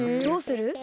どうする？